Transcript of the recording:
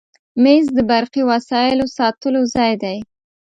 مېز د برقي وسایلو ساتلو ځای دی.